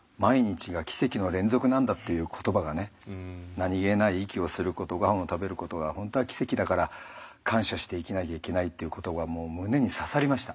何気ない息をすることごはんを食べることが本当は奇跡だから感謝して生きなきゃいけないっていうことが胸に刺さりました。